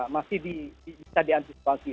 masih bisa diantisipasi